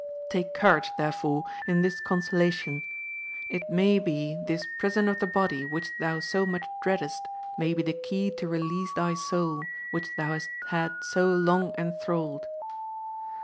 Take courage,, therefore, in this con solation ; it may be this prison of the body which then so much dreadest, may be the key to release thy soul, which thou hast had so long enthralled.